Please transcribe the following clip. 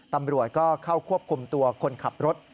ตำรวจก็เข้าควบคุมตัวคนขับรถ